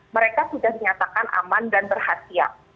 mereka sudah menyatakan aman dan berhasil